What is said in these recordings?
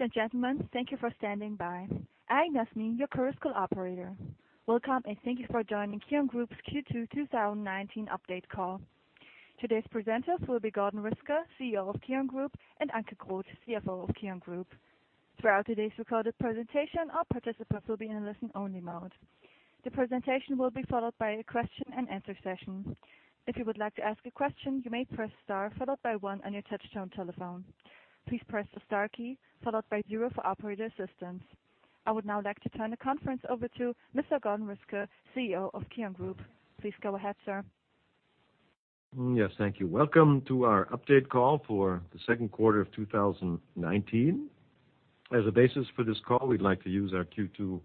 Ladies and gentlemen, thank you for standing by. I'm Yasmin, your course call operator. Welcome and thank you for joining KION Group's Q2 2019 Update Call. Today's presenters will be Gordon Riske, CEO of KION Group, and Anke Groth, CFO of KION Group. Throughout today's recorded presentation, all participants will be in a listen-only mode. The presentation will be followed by a question-and-answer session. If you would like to ask a question, you may press star followed by one on your touch-tone telephone. Please press the star key followed by zero for operator assistance. I would now like to turn the conference over to Mr. Gordon Riske, CEO of KION Group. Please go ahead, sir. Yes, thank you. Welcome to our Update Call for the Second Quarter of 2019. As a basis for this call, we'd like to use our Q2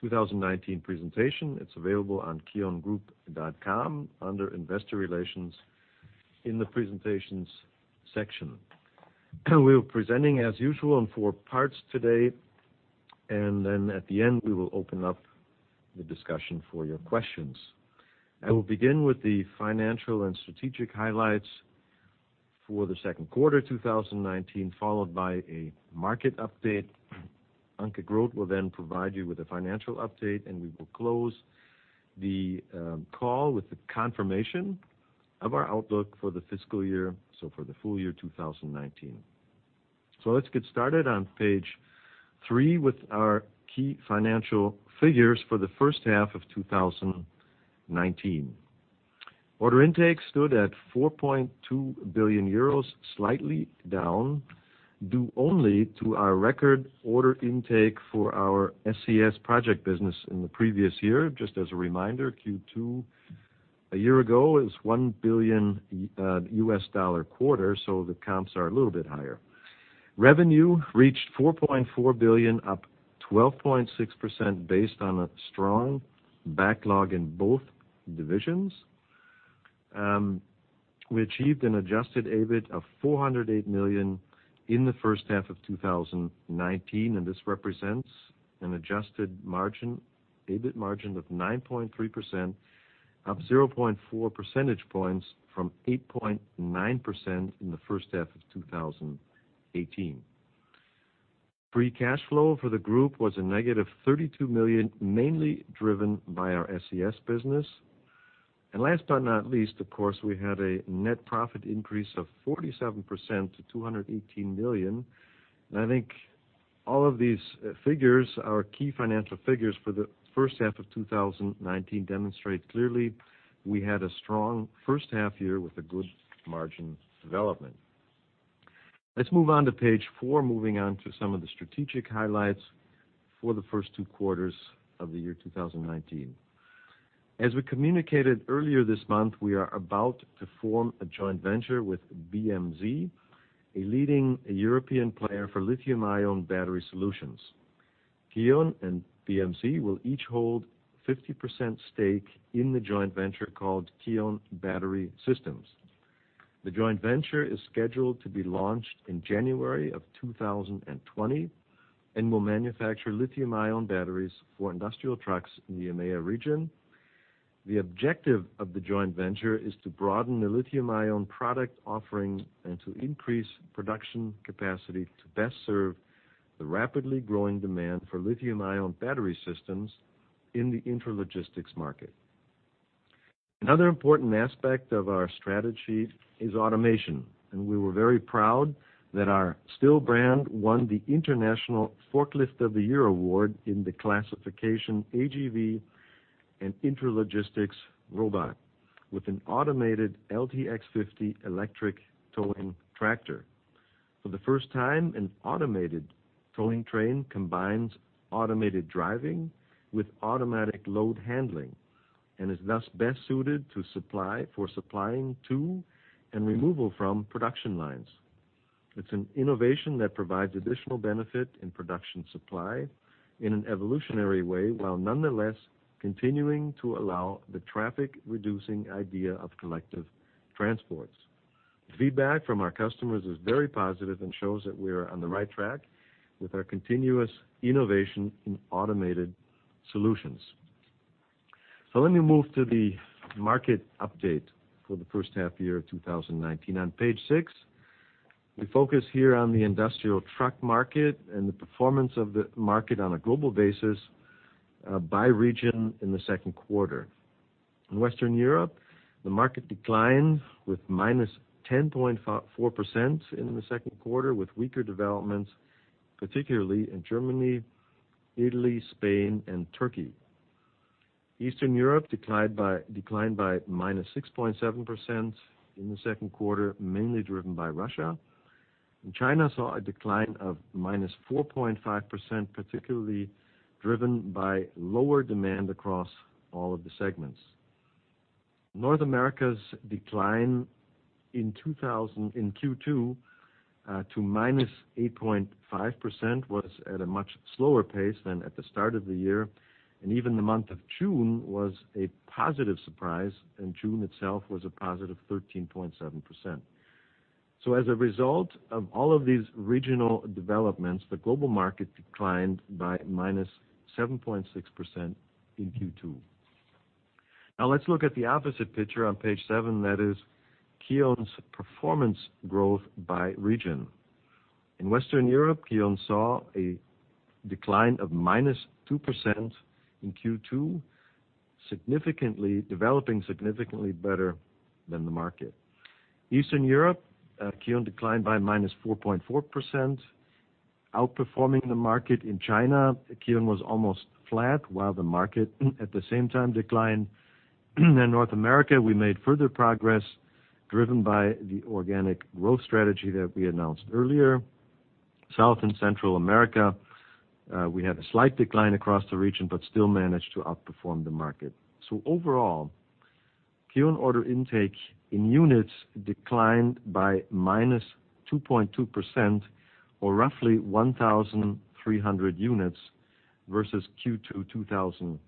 2019 presentation. It's available on kiongroup.com under Investor Relations in the presentations section. We'll be presenting as usual in four parts today, and at the end, we will open up the discussion for your questions. I will begin with the financial and strategic highlights for the second quarter 2019, followed by a market update. Anke Groth will then provide you with a financial update, and we will close the call with the confirmation of our outlook for the fiscal year, for the full year 2019. Let's get started on page three with our key financial figures for the first half of 2019. Order intake stood at 4.2 billion euros, slightly down due only to our record order intake for our SCS project business in the previous year. Just as a reminder, Q2 a year ago is a EUR 1 billion quarter, so the comps are a little bit higher. Revenue reached 4.4 billion, up 12.6% based on a strong backlog in both divisions. We achieved an adjusted EBIT of 408 million in the first half of 2019, and this represents an adjusted EBIT margin of 9.3%, up 0.4 percentage points from 8.9% in the first half of 2018. Free cash flow for the group was a negative 32 million, mainly driven by our SCS business. Last but not least, of course, we had a net profit increase of 47% to 218 million. I think all of these figures, our key financial figures for the first half of 2019, demonstrate clearly we had a strong first half year with a good margin development. Let's move on to page four, moving on to some of the strategic highlights for the first two quarters of the year 2019. As we communicated earlier this month, we are about to form a joint venture with BMZ, a leading European player for lithium-ion battery solutions. KION and BMZ will each hold a 50% stake in the joint venture called KION Battery Systems. The joint venture is scheduled to be launched in January of 2020 and will manufacture lithium-ion batteries for industrial trucks in the EMEA region. The objective of the joint venture is to broaden the lithium-ion product offering and to increase production capacity to best serve the rapidly growing demand for lithium-ion battery systems in the interlogistics market. Another important aspect of our strategy is automation, and we were very proud that our STILL brand won the International Forklift of the Year award in the classification AGV and Intralogistics Robot, with an automated LTX50 electric towing tractor. For the first time, an automated towing train combines automated driving with automatic load handling and is thus best suited for supplying to and removal from production lines. It's an innovation that provides additional benefit in production supply in an evolutionary way while nonetheless continuing to allow the traffic-reducing idea of collective transports. Feedback from our customers is very positive and shows that we are on the right track with our continuous innovation in automated solutions. Let me move to the market update for the first half year of 2019. On page six, we focus here on the industrial truck market and the performance of the market on a global basis by region in the second quarter. In Western Europe, the market declined with -10.4% in the second quarter, with weaker developments, particularly in Germany, Italy, Spain, and Turkey. Eastern Europe declined by -6.7% in the second quarter, mainly driven by Russia. China saw a decline of -4.5%, particularly driven by lower demand across all of the segments. North America's decline in Q2 to -8.5% was at a much slower pace than at the start of the year, and even the month of June was a positive surprise, and June itself was a positive 13.7%. As a result of all of these regional developments, the global market declined by 7.6% in Q2. Now let's look at the opposite picture on page seven, that is KION's performance growth by region. In Western Europe, KION saw a decline of 2% in Q2, developing significantly better than the market. Eastern Europe, KION declined by 4.4%, outperforming the market. In China, KION was almost flat, while the market at the same time declined. In North America, we made further progress driven by the organic growth strategy that we announced earlier. South and Central America, we had a slight decline across the region but still managed to outperform the market. Overall, KION order intake in units declined by 2.2%, or roughly 1,300 units versus Q2 2018.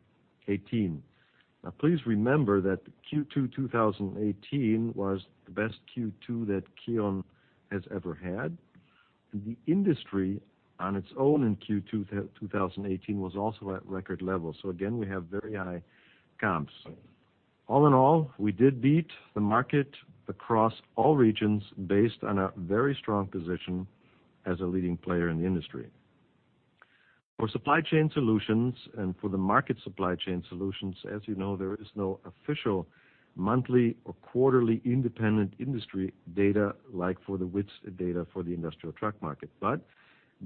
Now please remember that Q2 2018 was the best Q2 that KION Group has ever had, and the industry on its own in Q2 2018 was also at record levels. We have very high comps. All in all, we did beat the market across all regions based on a very strong position as a leading player in the industry. For supply chain solutions and for the market supply chain solutions, as you know, there is no official monthly or quarterly independent industry data like for the WITS data for the industrial truck market.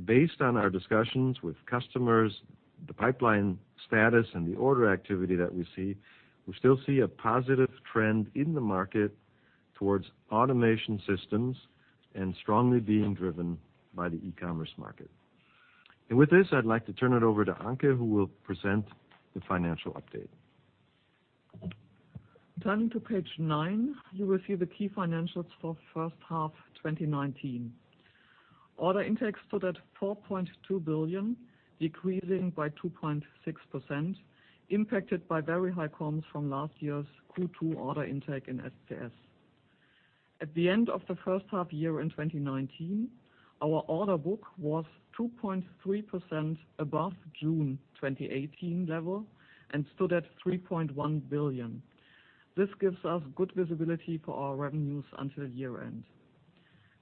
Based on our discussions with customers, the pipeline status, and the order activity that we see, we still see a positive trend in the market towards automation systems and strongly being driven by the e-commerce market. With this, I'd like to turn it over to Anke, who will present the financial update. Turning to page nine, you will see the key financials for first half 2019. Order intake stood at 4.2 billion, decreasing by 2.6%, impacted by very high comps from last year's Q2 order intake in SCS. At the end of the first half year in 2019, our order book was 2.3% above June 2018 level and stood at 3.1 billion. This gives us good visibility for our revenues until year-end.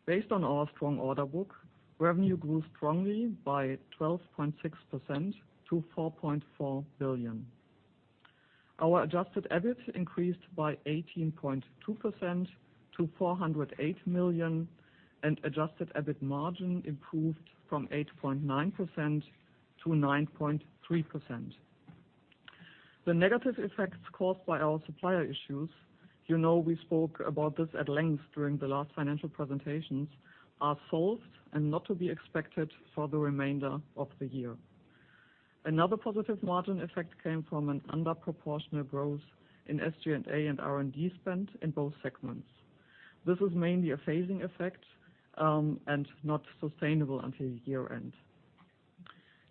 Based on our strong order book, revenue grew strongly by 12.6% to 4.4 billion. Our adjusted EBIT increased by 18.2% to 408 million, and adjusted EBIT margin improved from 8.9% to 9.3%. The negative effects caused by our supplier issues—you know we spoke about this at length during the last financial presentations—are solved and not to be expected for the remainder of the year. Another positive margin effect came from an underproportional growth in SG&A and R&D spend in both segments. This is mainly a phasing effect and not sustainable until year-end.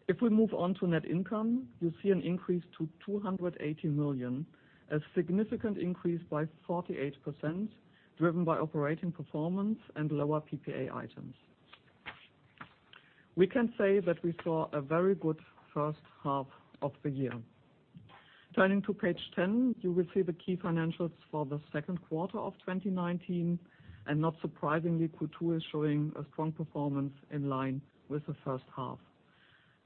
If we move on to net income, you see an increase to 280 million, a significant increase by 48%, driven by operating performance and lower PPA items. We can say that we saw a very good first half of the year. Turning to page ten, you will see the key financials for the second quarter of 2019, and not surprisingly, Q2 is showing a strong performance in line with the first half.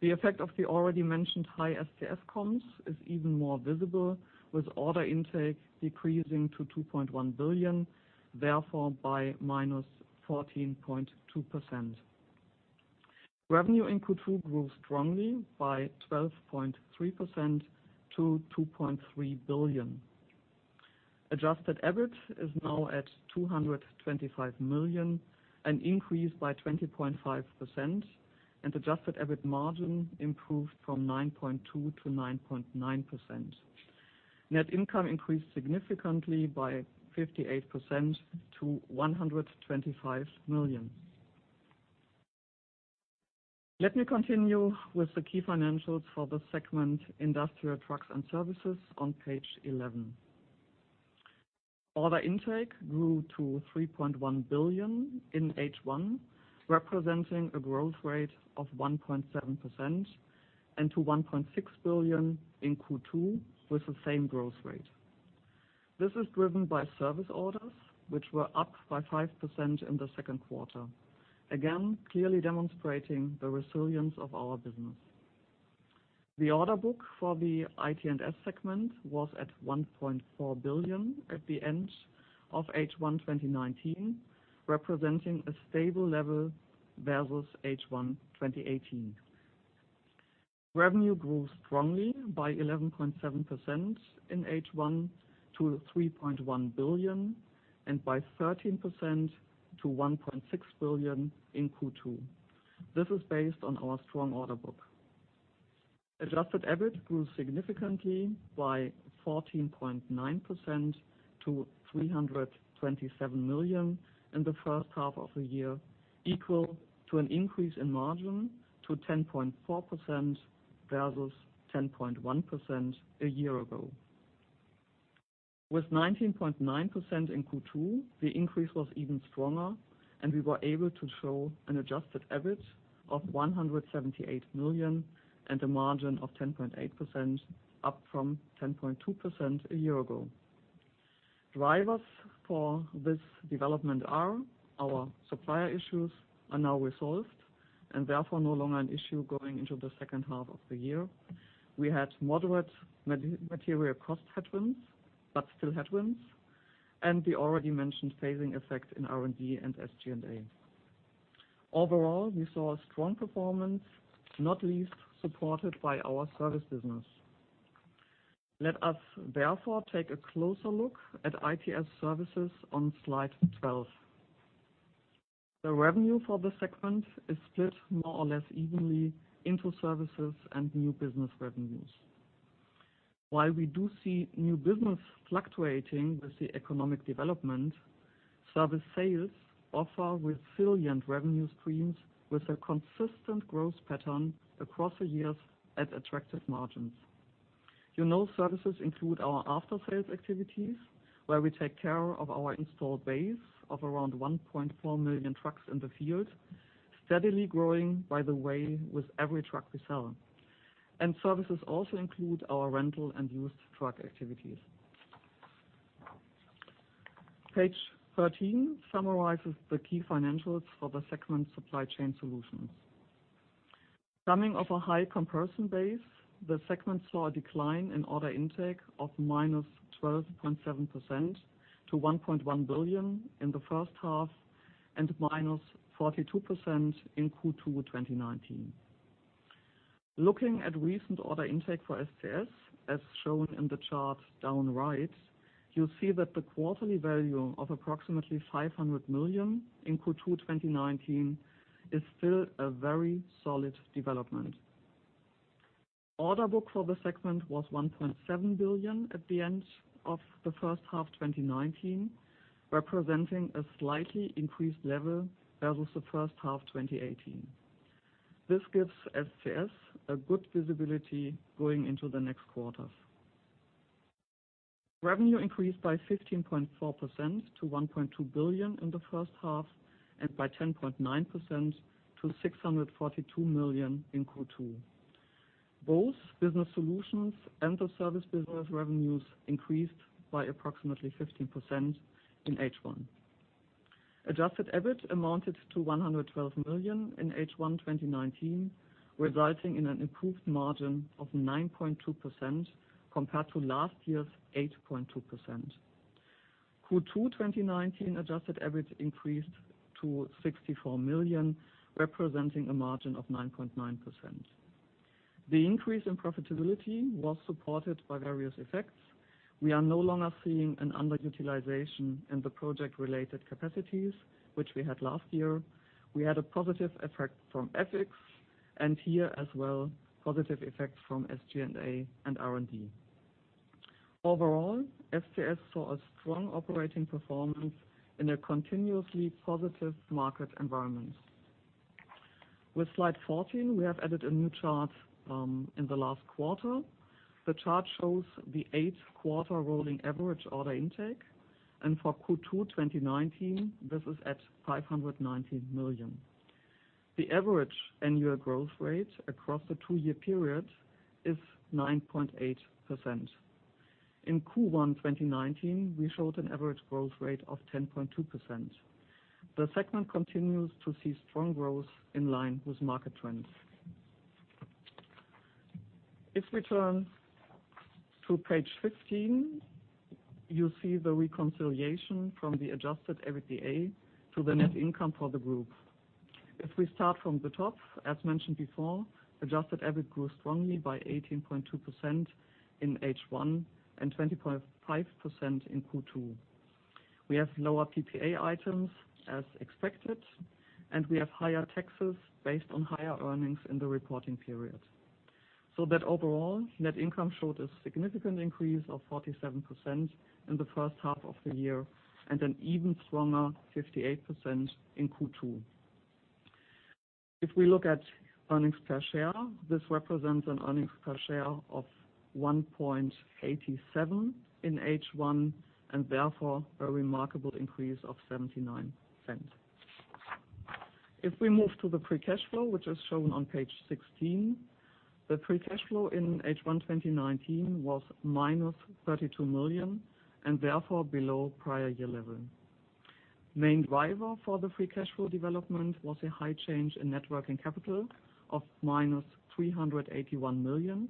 The effect of the already mentioned high SCS comms is even more visible, with order intake decreasing to 2.1 billion, therefore by minus 14.2%. Revenue in Q2 grew strongly by 12.3% to 2.3 billion. Adjusted EBIT is now at 225 million, an increase by 20.5%, and adjusted EBIT margin improved from 9.2% to 9.9%. Net income increased significantly by 58% to EUR 125 million. Let me continue with the key financials for the segment Industrial Trucks and Services on page 11. Order intake grew to 3.1 billion in H1, representing a growth rate of 1.7%, and to 1.6 billion in Q2 with the same growth rate. This is driven by service orders, which were up by 5% in the second quarter, again clearly demonstrating the resilience of our business. The order book for the IT&S segment was at 1.4 billion at the end of H1 2019, representing a stable level versus H1 2018. Revenue grew strongly by 11.7% in H1 to 3.1 billion and by 13% to 1.6 billion in Q2. This is based on our strong order book. Adjusted EBIT grew significantly by 14.9% to 327 million in the first half of the year, equal to an increase in margin to 10.4% versus 10.1% a year ago. With 19.9% in Q2, the increase was even stronger, and we were able to show an adjusted EBIT of 178 million and a margin of 10.8%, up from 10.2% a year ago. Drivers for this development are our supplier issues are now resolved and therefore no longer an issue going into the second half of the year. We had moderate material cost headwinds but still headwinds, and the already mentioned phasing effect in R&D and SG&A. Overall, we saw a strong performance, not least supported by our service business. Let us therefore take a closer look at IT&S services on slide 12. The revenue for the segment is split more or less evenly into services and new business revenues. While we do see new business fluctuating with the economic development, service sales offer resilient revenue streams with a consistent growth pattern across the years at attractive margins. You know, services include our after-sales activities, where we take care of our installed base of around 1.4 million trucks in the field, steadily growing by the way with every truck we sell. Services also include our rental and used truck activities. Page 13 summarizes the key financials for the segment Supply Chain Solutions. Coming off a high comparison base, the segment saw a decline in order intake of -12.7% to 1.1 billion in the first half and -42% in Q2 2019. Looking at recent order intake for SCS, as shown in the chart downright, you'll see that the quarterly value of approximately 500 million in Q2 2019 is still a very solid development. Order book for the segment was 1.7 billion at the end of the first half 2019, representing a slightly increased level versus the first half 2018. This gives SCS a good visibility going into the next quarters. Revenue increased by 15.4% to 1.2 billion in the first half and by 10.9% to 642 million in Q2. Both business solutions and the service business revenues increased by approximately 15% in H1. Adjusted EBIT amounted to 112 million in H1 2019, resulting in an improved margin of 9.2% compared to last year's 8.2%. Q2 2019 adjusted EBIT increased to 64 million, representing a margin of 9.9%. The increase in profitability was supported by various effects. We are no longer seeing an underutilization in the project-related capacities, which we had last year. We had a positive effect from ethics, and here as well, positive effect from SG&A and R&D. Overall, SCS saw a strong operating performance in a continuously positive market environment. With slide 14, we have added a new chart in the last quarter. The chart shows the eight-quarter rolling average order intake, and for Q2 2019, this is at 590 million. The average annual growth rate across the two-year period is 9.8%. In Q1 2019, we showed an average growth rate of 10.2%. The segment continues to see strong growth in line with market trends. If we turn to page 15, you see the reconciliation from the adjusted EBITDA to the net income for the group. If we start from the top, as mentioned before, adjusted EBIT grew strongly by 18.2% in H1 and 20.5% in Q2. We have lower PPA items as expected, and we have higher taxes based on higher earnings in the reporting period. Overall, net income showed a significant increase of 47% in the first half of the year and an even stronger 58% in Q2. If we look at earnings per share, this represents an earnings per share of 1.87 in H1 and therefore a remarkable increase of 79%. If we move to the free cash flow, which is shown on page 16, the free cash flow in H1 2019 was -32 million and therefore below prior year level. Main driver for the free cash flow development was a high change in working capital of -381 million,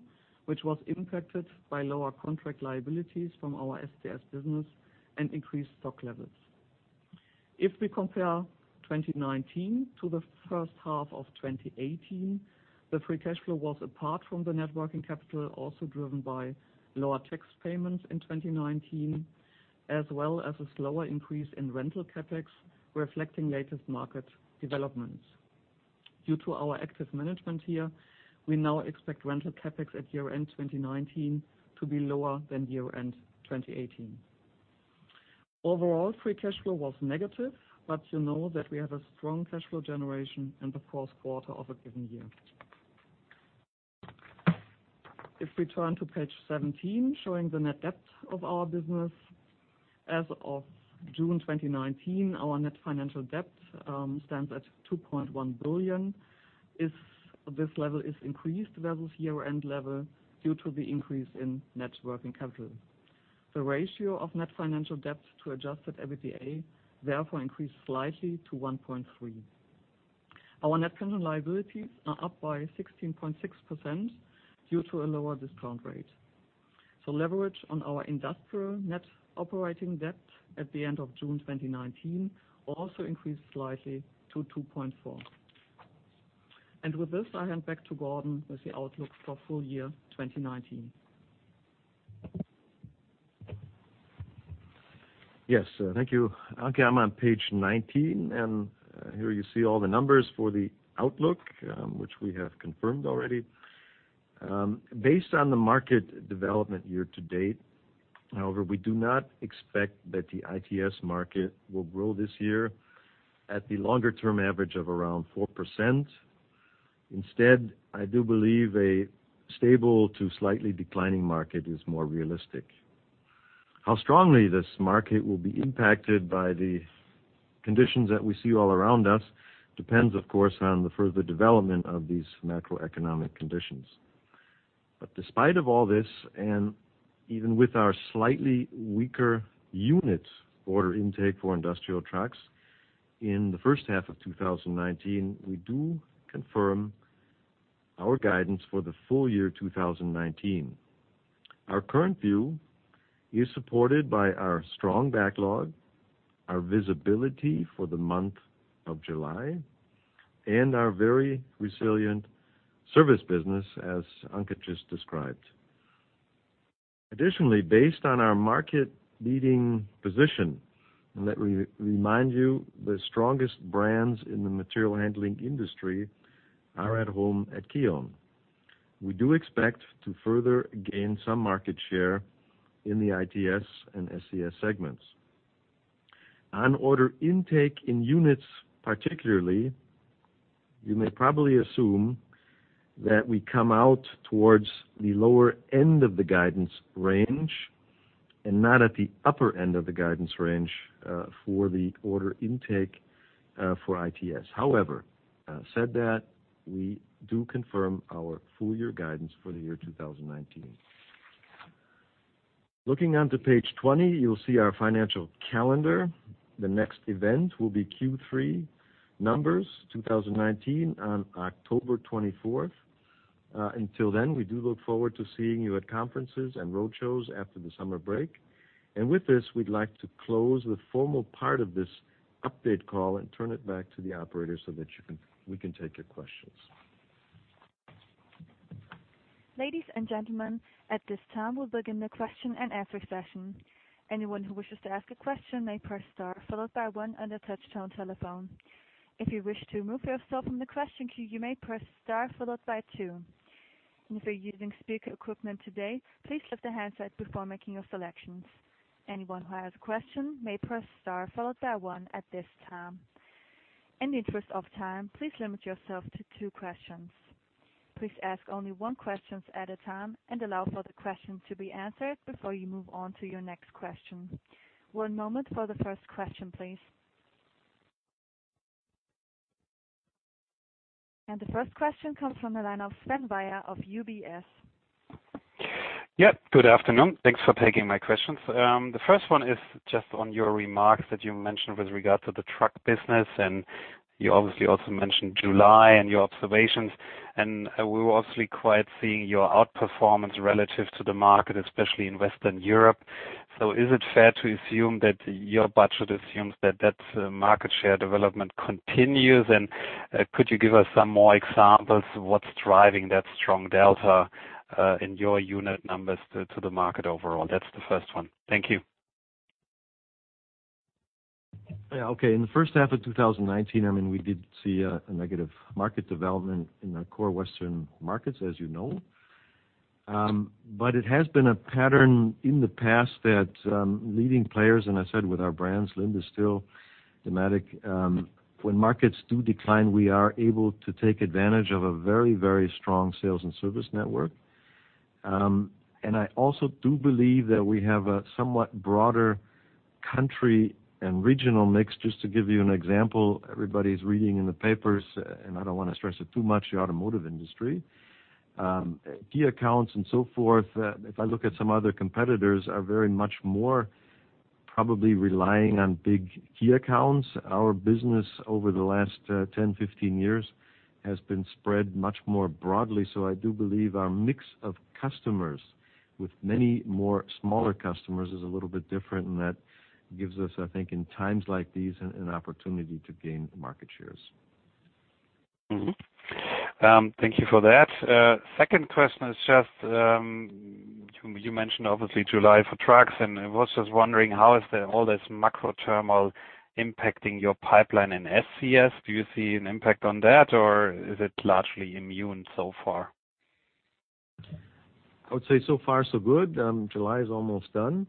which was impacted by lower contract liabilities from our SCS business and increased stock levels. If we compare 2019 to the first half of 2018, the free cash flow was apart from the working capital also driven by lower tax payments in 2019, as well as a slower increase in rental CapEx reflecting latest market developments. Due to our active management here, we now expect rental CapEx at year-end 2019 to be lower than year-end 2018. Overall, free cash flow was negative, but you know that we have a strong cash flow generation in the fourth quarter of a given year. If we turn to page 17, showing the net debt of our business as of June 2019, our net financial debt stands at 2.1 billion, this level is increased versus year-end level due to the increase in working capital. The ratio of net financial debt to adjusted EBITDA therefore increased slightly to 1.3. Our net control liabilities are up by 16.6% due to a lower discount rate. Leverage on our industrial net operating debt at the end of June 2019 also increased slightly to 2.4. With this, I hand back to Gordon with the outlook for full year 2019. Yes, thank you. Anke, page 19, and here you see all the numbers for the outlook, which we have confirmed already. Based on the market development year to date, however, we do not expect that the IT&S market will grow this year at the longer-term average of around 4%. Instead, I do believe a stable to slightly declining market is more realistic. How strongly this market will be impacted by the conditions that we see all around us depends, of course, on the further development of these macroeconomic conditions. Despite all this, and even with our slightly weaker unit order intake for industrial trucks in the first half of 2019, we do confirm our guidance for the full year 2019. Our current view is supported by our strong backlog, our visibility for the month of July, and our very resilient service business, as Anke just described. Additionally, based on our market-leading position, and let me remind you, the strongest brands in the material handling industry are at home at KION. We do expect to further gain some market share in the IT&S and SCS segments. On order intake in units, particularly, you may probably assume that we come out towards the lower end of the guidance range and not at the upper end of the guidance range for the order intake for IT&S. However, said that, we do confirm our full year guidance for the year 2019. Looking on to page 20, you'll see our financial calendar. The next event will be Q3 Numbers 2019 on October 24. Until then, we do look forward to seeing you at conferences and roadshows after the summer break. With this, we'd like to close the formal part of this update call and turn it back to the operators so that we can take your questions. Ladies and gentlemen, at this time, we'll begin the question and answer session. Anyone who wishes to ask a question may press star followed by one on the touch-tone telephone. If you wish to remove yourself from the question queue, you may press star followed by two. If you're using speaker equipment today, please lift the handset before making your selections. Anyone who has a question may press star followed by one at this time. In the interest of time, please limit yourself to two questions. Please ask only one question at a time and allow for the question to be answered before you move on to your next question. One moment for the first question, please. The first question comes from the line of Sven Wenger of UBS. Yep, good afternoon. Thanks for taking my questions. The first one is just on your remarks that you mentioned with regard to the truck business, and you obviously also mentioned July and your observations. We were obviously quite seeing your outperformance relative to the market, especially in Western Europe. Is it fair to assume that your budget assumes that that market share development continues? Could you give us some more examples of what's driving that strong delta in your unit numbers to the market overall? That's the first one. Thank you. Yeah, okay. In the first half of 2019, I mean, we did see a negative market development in our core Western markets, as you know. It has been a pattern in the past that leading players, and I said with our brands, Linde, STILL, Dematic, when markets do decline, we are able to take advantage of a very, very strong sales and service network. I also do believe that we have a somewhat broader country and regional mix. Just to give you an example, everybody's reading in the papers, and I don't want to stress it too much, the automotive industry, key accounts, and so forth. If I look at some other competitors, they are very much more probably relying on big key accounts. Our business over the last 10-15 years has been spread much more broadly. I do believe our mix of customers with many more smaller customers is a little bit different, and that gives us, I think, in times like these, an opportunity to gain market shares. Thank you for that. Second question is just you mentioned obviously July for trucks, and I was just wondering how is all this macro-terminal impacting your pipeline in SCS? Do you see an impact on that, or is it largely immune so far? I would say so far, so good. July is almost done.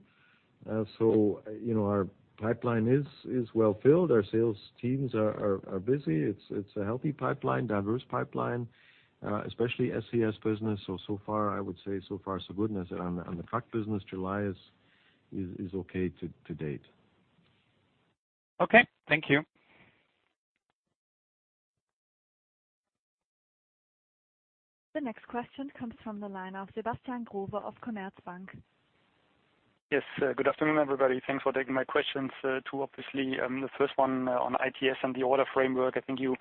Our pipeline is well filled. Our sales teams are busy. It is a healthy pipeline, diverse pipeline, especially SCS business. I would say so far, so good. On the truck business, July is okay to date. Okay, thank you. The next question comes from the line of Sebastian Groweof Commerzbank. Yes, good afternoon, everybody. Thanks for taking my questions too. Obviously, the first one on IT&S and the order framework, I think you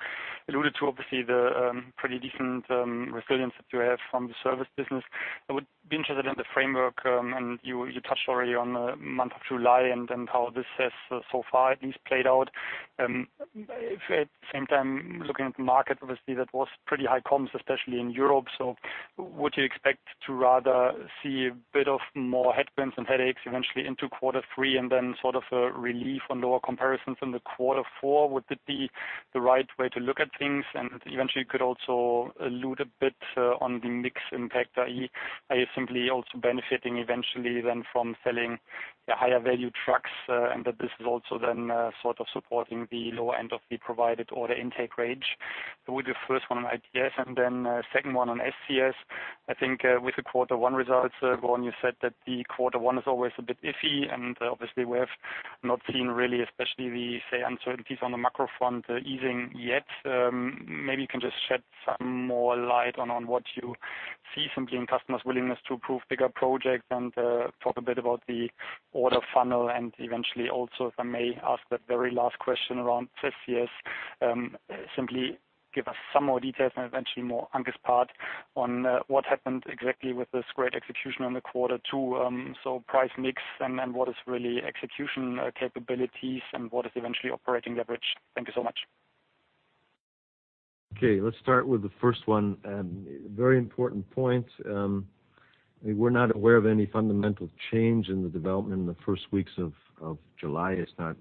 alluded to obviously the pretty decent resilience that you have from the service business. I would be interested in the framework, and you touched already on the month of July and how this has so far at least played out. At the same time, looking at the market, obviously that was pretty high comps, especially in Europe. Would you expect to rather see a bit of more headwinds and headaches eventually into quarter three and then sort of a relief on lower comparisons in the quarter four? Would that be the right way to look at things? Eventually, you could also allude a bit on the mix impact, i.e., are you simply also benefiting eventually then from selling higher-value trucks and that this is also then sort of supporting the lower end of the provided order intake range? That would be the first one on IT&S, and the second one on SCS. I think with the quarter one results, Gordon, you said that the quarter one is always a bit iffy, and obviously we have not seen really, especially the, say, uncertainties on the macro front, easing yet. Maybe you can just shed some more light on what you see simply in customers' willingness to approve bigger projects and talk a bit about the order funnel. Eventually, also, if I may ask that very last question around SCS, simply give us some more details and eventually more Anke's part on what happened exactly with this great execution in quarter two, so price mix and what is really execution capabilities and what is eventually operating leverage. Thank you so much. Okay, let's start with the first one. Very important point. We're not aware of any fundamental change in the development in the first weeks of July. It's not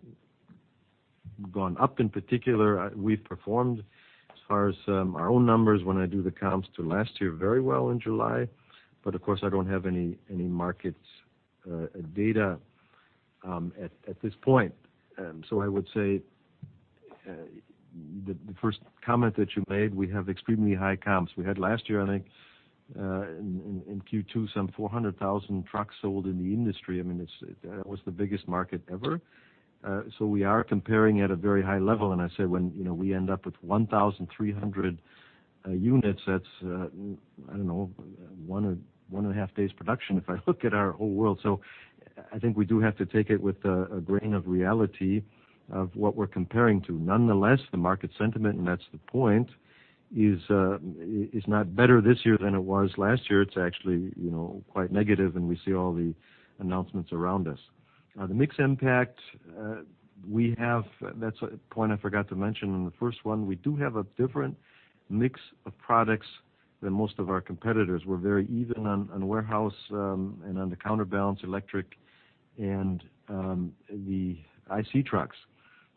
gone up in particular. We've performed as far as our own numbers when I do the comps to last year very well in July, but of course, I don't have any market data at this point. I would say the first comment that you made, we have extremely high comps. We had last year, I think, in Q2, some 400,000 trucks sold in the industry. I mean, that was the biggest market ever. We are comparing at a very high level, and I said when we end up with 1,300 units, that's, I don't know, one and a half days production if I look at our whole world. I think we do have to take it with a grain of reality of what we're comparing to. Nonetheless, the market sentiment, and that's the point, is not better this year than it was last year. It's actually quite negative, and we see all the announcements around us. The mix impact we have, that's a point I forgot to mention in the first one. We do have a different mix of products than most of our competitors. We're very even on warehouse and on the counterbalance electric and the IC trucks.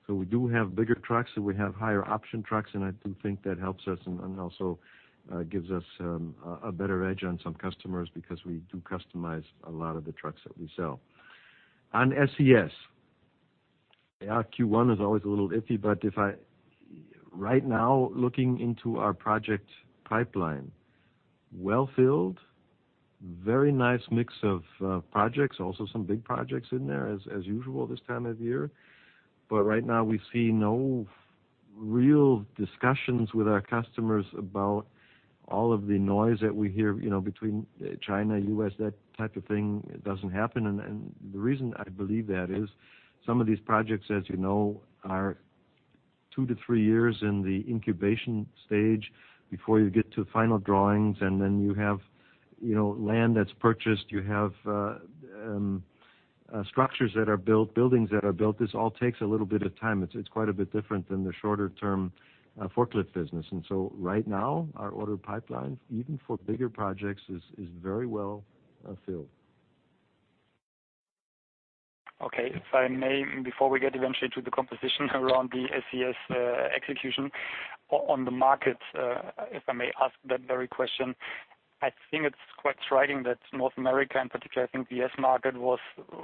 We do have bigger trucks, and we have higher option trucks, and I do think that helps us and also gives us a better edge on some customers because we do customize a lot of the trucks that we sell. On SCS, yeah, Q1 is always a little iffy, but right now, looking into our project pipeline, well filled, very nice mix of projects, also some big projects in there as usual this time of year. Right now, we see no real discussions with our customers about all of the noise that we hear between China, U.S., that type of thing does not happen. The reason I believe that is some of these projects, as you know, are two to three years in the incubation stage before you get to final drawings, and then you have land that is purchased, you have structures that are built, buildings that are built. This all takes a little bit of time. It is quite a bit different than the shorter-term forklift business. Right now, our order pipeline, even for bigger projects, is very well filled. Okay, if I may, before we get eventually to the composition around the SCS execution on the market, if I may ask that very question, I think it's quite striking that North America in particular, I think the U.S. market was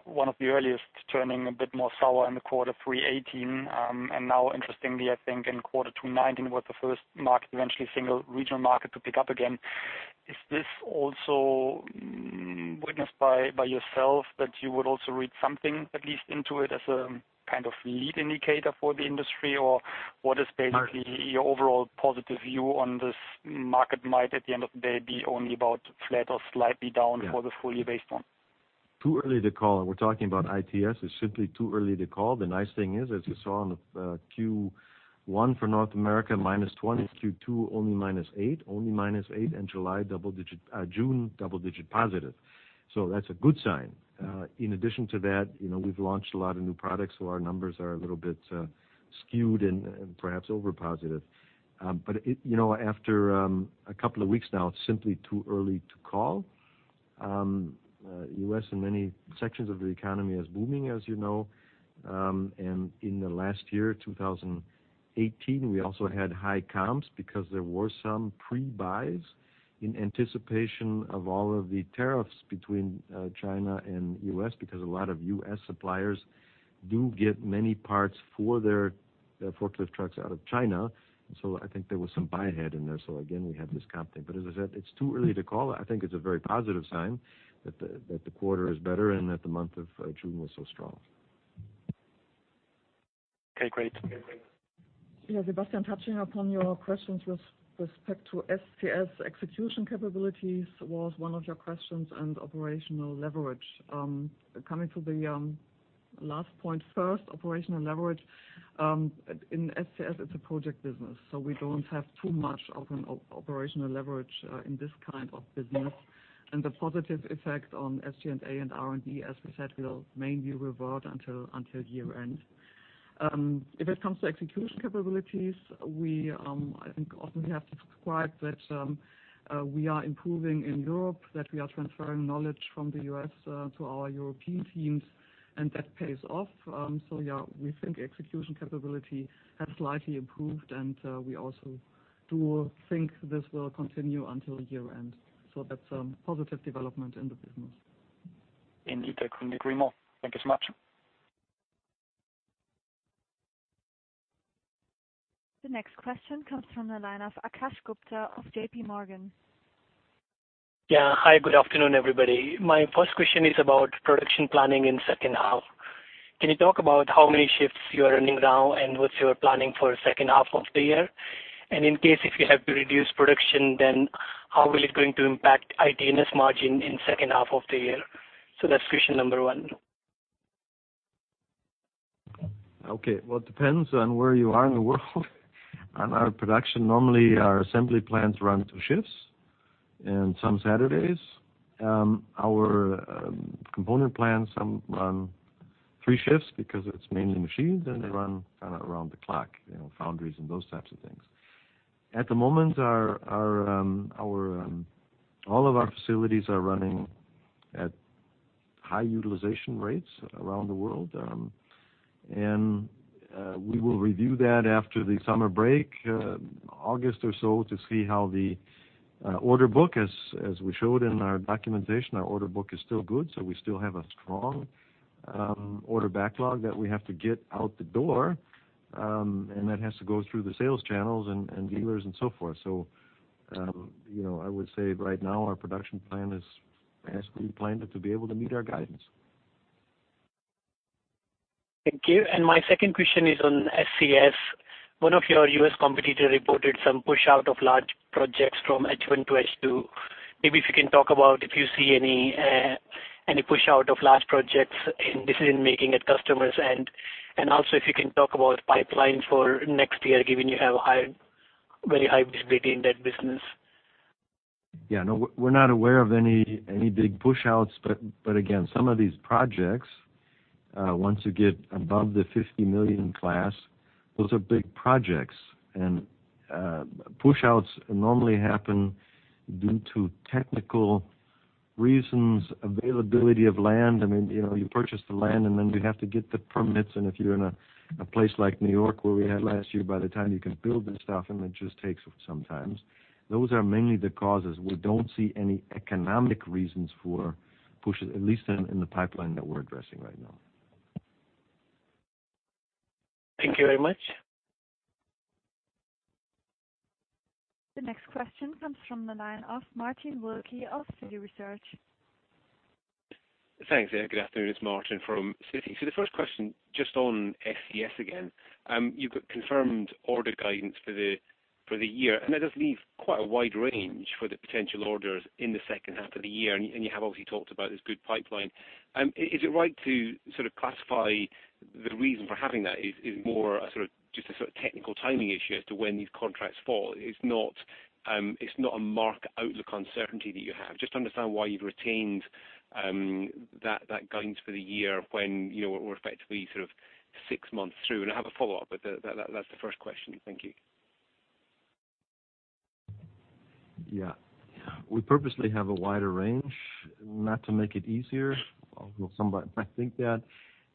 one of the earliest turning a bit more sour in the quarter 318. Now, interestingly, I think in quarter 219 was the first market, eventually single regional market to pick up again. Is this also witnessed by yourself that you would also read something at least into it as a kind of lead indicator for the industry, or what is basically your overall positive view on this market might at the end of the day be only about flat or slightly down for the fully based one? Too early to call. We're talking about IT&S. It's simply too early to call. The nice thing is, as you saw in Q1 for North America, -20. Q2, only -8, only -8, and July double-digit, June double-digit positive. That is a good sign. In addition to that, we've launched a lot of new products, so our numbers are a little bit skewed and perhaps over-positive. After a couple of weeks now, it's simply too early to call. U.S. and many sections of the economy are booming, as you know. In the last year, 2018, we also had high comps because there were some pre-buys in anticipation of all of the tariffs between China and U.S. because a lot of U.S. suppliers do get many parts for their forklift trucks out of China. I think there was some buy ahead in there. Again, we have this comp thing. As I said, it's too early to call. I think it's a very positive sign that the quarter is better and that the month of June was so strong. Okay, great. Yeah, Sebastian, touching upon your questions with respect to SCS execution capabilities was one of your questions and operational leverage. Coming to the last point first, operational leverage. In SCS, it's a project business, so we don't have too much of an operational leverage in this kind of business. The positive effect on SG&A and R&D, as we said, will mainly revert until year end. If it comes to execution capabilities, I think often we have described that we are improving in Europe, that we are transferring knowledge from the U.S. to our European teams, and that pays off. Yeah, we think execution capability has slightly improved, and we also do think this will continue until year end. That's a positive development in the business. Indeed, I couldn't agree more. Thank you so much. The next question comes from the line of Akash Gupta of JPMorgan. Yeah, hi, good afternoon, everybody. My first question is about production planning in second half. Can you talk about how many shifts you are running now and what you are planning for second half of the year? In case if you have to reduce production, then how will it going to impact IT&S margin in second half of the year? That is question number one. Okay, it depends on where you are in the world. On our production, normally our assembly plants run two shifts and some Saturdays. Our component plants, some run three shifts because it's mainly machines, and they run kind of around the clock, foundries and those types of things. At the moment, all of our facilities are running at high utilization rates around the world. We will review that after the summer break, August or so, to see how the order book, as we showed in our documentation, our order book is still good, so we still have a strong order backlog that we have to get out the door, and that has to go through the sales channels and dealers and so forth. I would say right now our production plan is as we planned it to be able to meet our guidance. Thank you. My second question is on SCS. One of your U.S. competitors reported some push-out of large projects from H1 to H2. Maybe if you can talk about if you see any push-out of large projects in decision-making at customers, and also if you can talk about pipelines for next year, given you have very high visibility in that business. Yeah, no, we're not aware of any big push-outs, but again, some of these projects, once you get above the $50 million class, those are big projects. Push-outs normally happen due to technical reasons, availability of land. I mean, you purchase the land, and then you have to get the permits. If you're in a place like New York where we had last year, by the time you can build this stuff, it just takes some time. Those are mainly the causes. We don't see any economic reasons for push-outs, at least in the pipeline that we're addressing right now. Thank you very much. The next question comes from the line of Martin Wilkie of Citi Research. Thanks, yeah. Good afternoon. It's Martin from Citi. The first question, just on SCS again, you've confirmed order guidance for the year, and that does leave quite a wide range for the potential orders in the second half of the year, and you have obviously talked about this good pipeline. Is it right to sort of classify the reason for having that as more just a sort of technical timing issue as to when these contracts fall? It's not a marked outlook uncertainty that you have. Just understand why you've retained that guidance for the year when we're effectively sort of six months through. I have a follow-up, but that's the first question. Thank you. Yeah, we purposely have a wider range, not to make it easier. I think that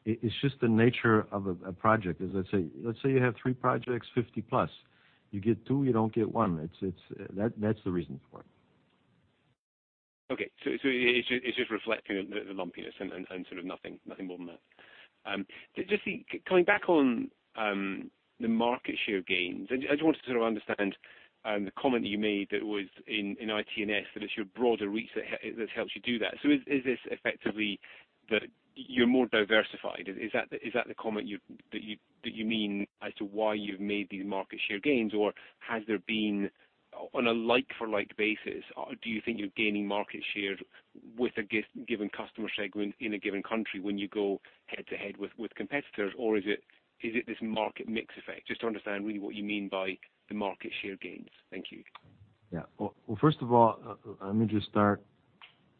it's just the nature of a project. As I say, let's say you have three projects, 50+. You get two, you don't get one. That's the reason for it. Okay, so it's just reflecting the lumpiness and sort of nothing more than that. Just coming back on the market share gains, I just wanted to sort of understand the comment that you made that was in IT&S, that it's your broader reach that helps you do that. Is this effectively that you're more diversified? Is that the comment that you mean as to why you've made these market share gains, or has there been on a like-for-like basis, do you think you're gaining market share with a given customer segment in a given country when you go head-to-head with competitors, or is it this market mix effect? Just to understand really what you mean by the market share gains. Thank you. Yeah, first of all, let me just start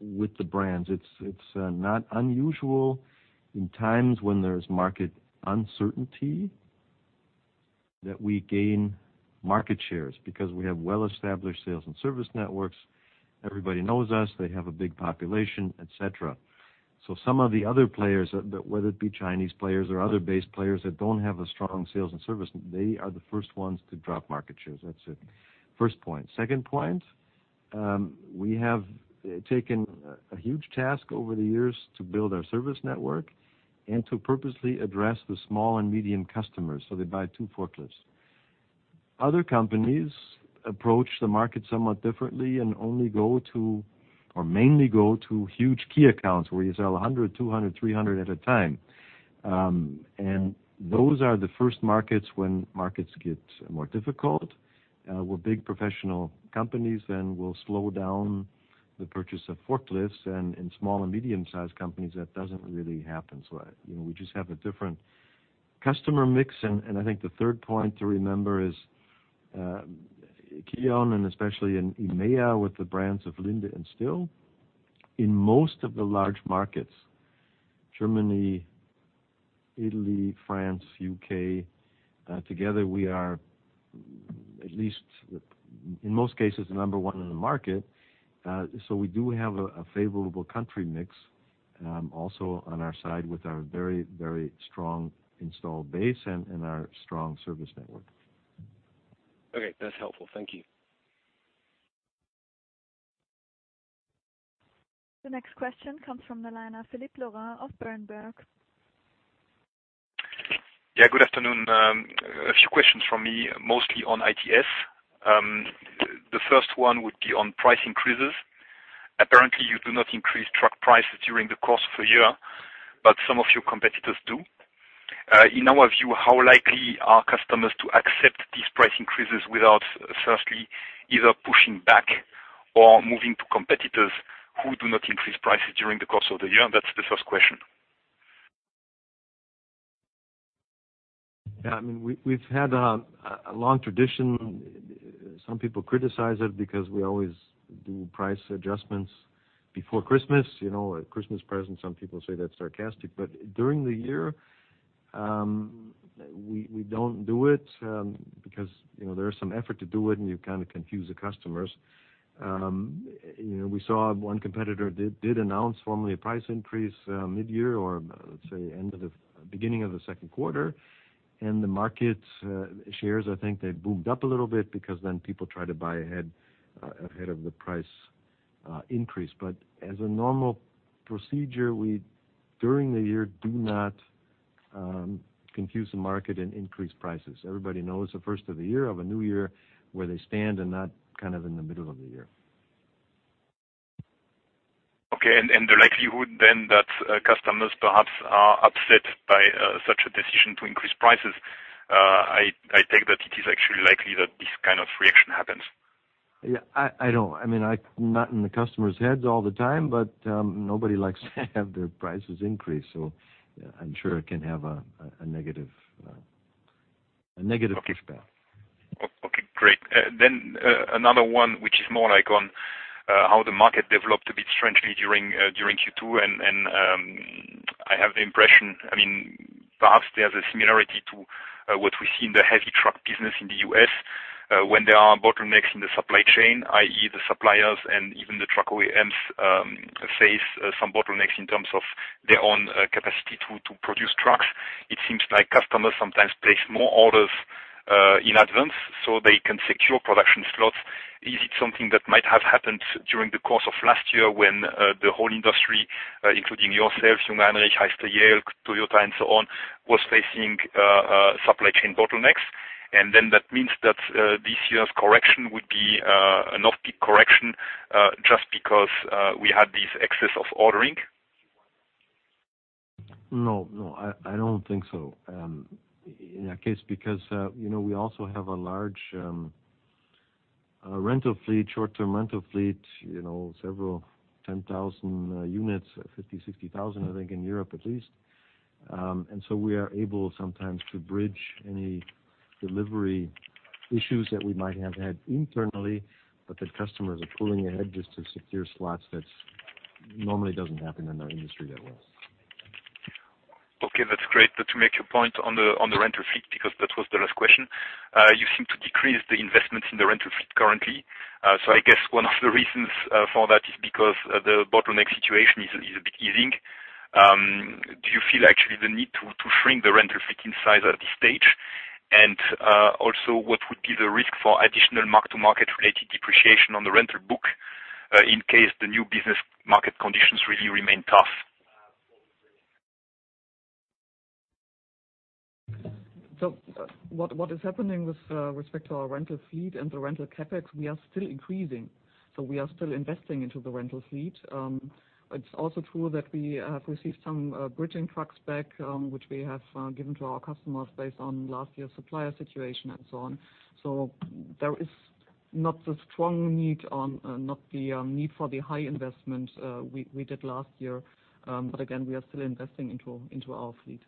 with the brands. It's not unusual in times when there's market uncertainty that we gain market shares because we have well-established sales and service networks. Everybody knows us. They have a big population, etc. Some of the other players, whether it be Chinese players or other base players that don't have a strong sales and service, they are the first ones to drop market shares. That's the first point. Second point, we have taken a huge task over the years to build our service network and to purposely address the small and medium customers, so they buy two forklifts. Other companies approach the market somewhat differently and only go to, or mainly go to huge key accounts where you sell 100, 200, 300 at a time. Those are the first markets when markets get more difficult. We're big professional companies, then we'll slow down the purchase of forklifts, and in small and medium-sized companies, that doesn't really happen. We just have a different customer mix. I think the third point to remember is KION, and especially in EMEA with the brands of Linde and STILL, in most of the large markets, Germany, Italy, France, U.K., together we are at least in most cases the number one in the market. We do have a favorable country mix also on our side with our very, very strong installed base and our strong service network. Okay, that's helpful. Thank you. The next question comes from the line of Philipp Loehrhoffof Berenberg. Yeah, good afternoon. A few questions from me, mostly on IT&S. The first one would be on price increases. Apparently, you do not increase truck prices during the course of a year, but some of your competitors do. In our view, how likely are customers to accept these price increases without firstly either pushing back or moving to competitors who do not increase prices during the course of the year? That's the first question. Yeah, I mean, we've had a long tradition. Some people criticize it because we always do price adjustments before Christmas. Christmas presents, some people say that's sarcastic, but during the year, we don't do it because there is some effort to do it, and you kind of confuse the customers. We saw one competitor did announce formally a price increase mid-year or, let's say, beginning of the second quarter, and the market shares, I think they boomed up a little bit because then people tried to buy ahead of the price increase. As a normal procedure, we during the year do not confuse the market and increase prices. Everybody knows the first of the year of a new year where they stand and not kind of in the middle of the year. Okay, and the likelihood then that customers perhaps are upset by such a decision to increase prices, I take that it is actually likely that this kind of reaction happens. Yeah, I don't. I mean, not in the customers' heads all the time, but nobody likes to have their prices increase, so I'm sure it can have a negative feedback. Okay, great. Another one, which is more like on how the market developed a bit strangely during Q2, and I have the impression, I mean, perhaps there's a similarity to what we see in the heavy truck business in the U.S. when there are bottlenecks in the supply chain, i.e., the suppliers and even the truck OEMs face some bottlenecks in terms of their own capacity to produce trucks. It seems like customers sometimes place more orders in advance so they can secure production slots. Is it something that might have happened during the course of last year when the whole industry, including yourself, Jungheinrich, Hyster, Yale, Toyota, and so on, was facing supply chain bottlenecks? That means that this year's correction would be an off-peak correction just because we had this excess of ordering? No, no, I don't think so. In that case, because we also have a large rental fleet, short-term rental fleet, several 10,000 units, 50,000-60,000, I think, in Europe at least. We are able sometimes to bridge any delivery issues that we might have had internally, but the customers are pulling ahead just to secure slots. That normally doesn't happen in our industry that well. Okay, that's great. To make your point on the rental fleet, because that was the last question, you seem to decrease the investments in the rental fleet currently. I guess one of the reasons for that is because the bottleneck situation is a bit easing. Do you feel actually the need to shrink the rental fleet in size at this stage? Also, what would be the risk for additional mark-to-market related depreciation on the rental book in case the new business market conditions really remain tough? What is happening with respect to our rental fleet and the rental CapEx, we are still increasing. We are still investing into the rental fleet. It is also true that we have received some bridging trucks back, which we have given to our customers based on last year's supplier situation and so on. There is not the strong need or not the need for the high investment we did last year, but again, we are still investing into our fleet.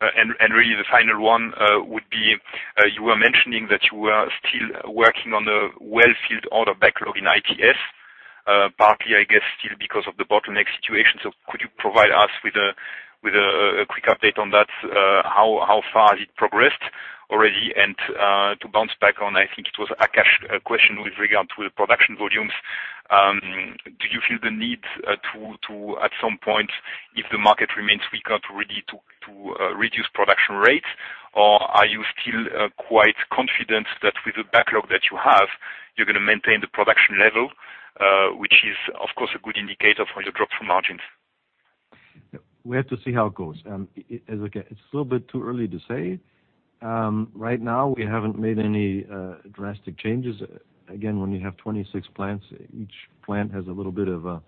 The final one would be you were mentioning that you were still working on a well-filled order backlog in IT&S, partly, I guess, still because of the bottleneck situation. Could you provide us with a quick update on that? How far has it progressed already? To bounce back on, I think it was Akash's question with regard to the production volumes. Do you feel the need to, at some point, if the market remains weaker, to really reduce production rates, or are you still quite confident that with the backlog that you have, you're going to maintain the production level, which is, of course, a good indicator for your drop-through margins? We have to see how it goes. It's a little bit too early to say. Right now, we haven't made any drastic changes. Again, when you have 26 plants, each plant has a little bit of a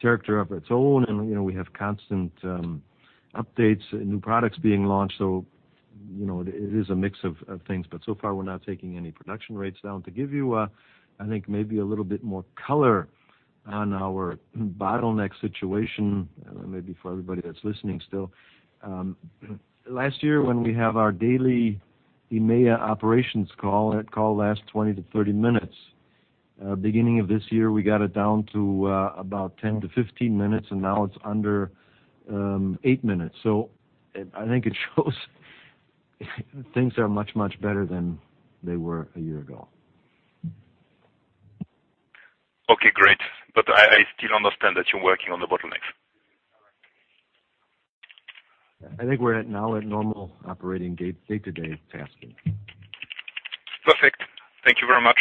character of its own, and we have constant updates, new products being launched. It is a mix of things, but so far, we're not taking any production rates down. To give you, I think, maybe a little bit more color on our bottleneck situation, maybe for everybody that's listening still, last year, when we have our daily EMEA operations call, that call lasts 20-30 minutes. Beginning of this year, we got it down to about 10-15 minutes, and now it's under 8 minutes. I think it shows things are much, much better than they were a year ago. Okay, great. I still understand that you're working on the bottlenecks. I think we're now at normal operating day-to-day tasks. Perfect. Thank you very much.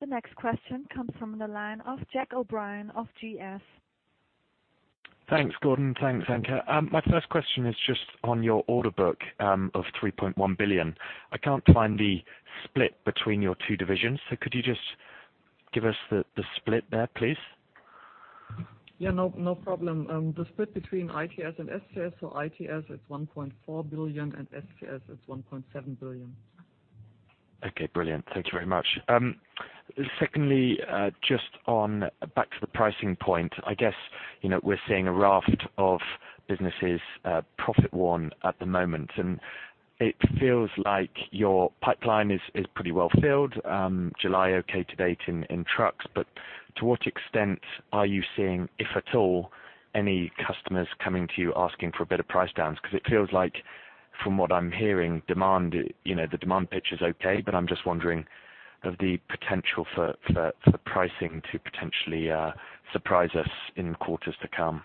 The next question comes from the line of Jack O'Brien of GS. Thanks, Gordon. Thanks, Anke. My first question is just on your order book of 3.1 billion. I can't find the split between your two divisions. Could you just give us the split there, please? Yeah, no problem. The split between IT&S and SCS, so IT&S, it's 1.4 billion, and SCS, it's 1.7 billion. Okay, brilliant. Thank you very much. Secondly, just back to the pricing point, I guess we're seeing a raft of businesses profit-worn at the moment, and it feels like your pipeline is pretty well filled, July okay to date in trucks, but to what extent are you seeing, if at all, any customers coming to you asking for better price downs? Because it feels like, from what I'm hearing, the demand pitch is okay, but I'm just wondering of the potential for pricing to potentially surprise us in quarters to come.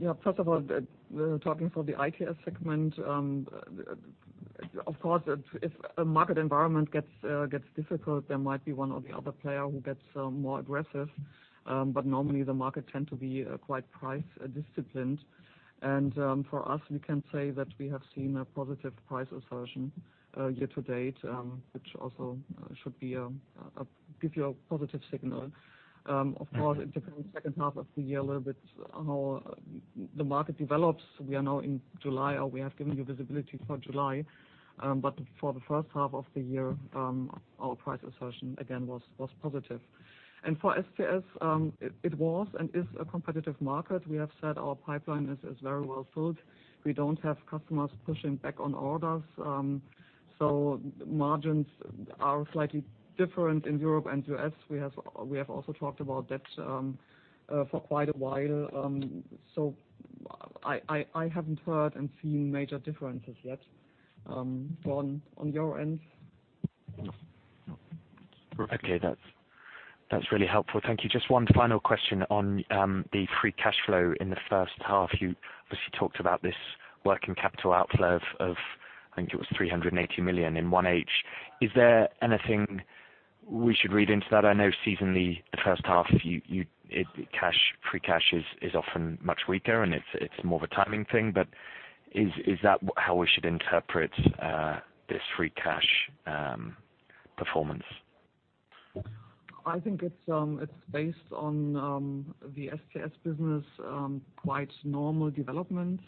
Yeah, first of all, talking for the IT&S segment, of course, if a market environment gets difficult, there might be one or the other player who gets more aggressive, but normally, the market tends to be quite price-disciplined. For us, we can say that we have seen a positive price assertion year to date, which also should give you a positive signal. Of course, it depends on the second half of the year a little bit, how the market develops. We are now in July, or we have given you visibility for July, but for the first half of the year, our price assertion, again, was positive. For SCS, it was and is a competitive market. We have said our pipeline is very well filled. We do not have customers pushing back on orders, so margins are slightly different in Europe and U.S.. We have also talked about that for quite a while. I haven't heard and seen major differences yet. Gordon, on your end? No. Okay, that's really helpful. Thank you. Just one final question on the free cash flow in the first half. You obviously talked about this working capital outflow of, I think it was 380 million in 1H. Is there anything we should read into that? I know seasonally, the first half, free cash is often much weaker, and it's more of a timing thing, but is that how we should interpret this free cash performance? I think it's based on the SCS business, quite normal development.